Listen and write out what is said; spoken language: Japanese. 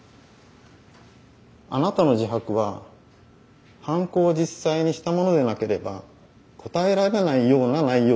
あなたの自白は犯行を実際にした者でなければ答えられないような内容ですね。